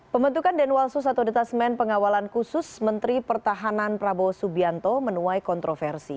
pembentukan denwalsus atau detasmen pengawalan khusus menteri pertahanan prabowo subianto menuai kontroversi